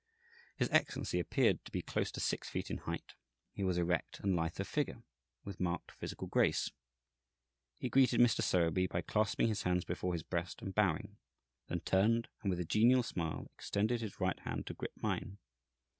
His Excellency appeared to be close to six feet in height; he was erect and lithe of figure, with marked physical grace. He greeted Mr. Sowerby by clasping his hands before his breast and bowing, then turned, and with a genial smile extended his right hand to grip mine.